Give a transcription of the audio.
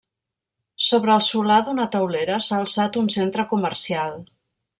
Sobre el solar d'una teulera s'ha alçat un centre comercial.